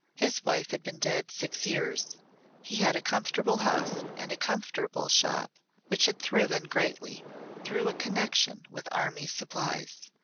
His wife had been dead six years, he had a comfortable house and a comfortable shop which had thriven greatly through a connection with army supplies.